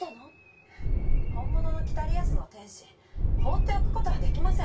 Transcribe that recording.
本物の『北リアスの天使』放っておく事は出来ません。